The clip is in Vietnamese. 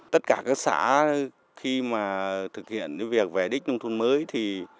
tất cả các xã khi mà thực hiện cái việc về đích nông thuận mới thì